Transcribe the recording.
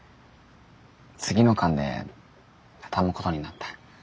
次の巻でたたむことになった。